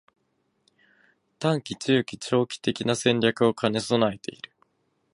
③ 短期、中期、長期的な戦略を兼ね備えている